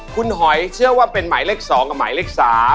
คุณหอยเชื่อว่าเป็นหมายเลข๒กับหมายเลข๓